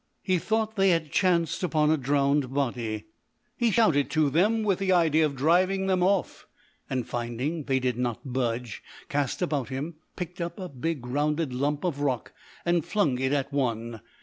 He thought they had chanced upon a drowned body. He shouted to them, with the idea of driving them off, and, finding they did not budge, cast about him, picked up a big rounded lump of rock, and flung it at one.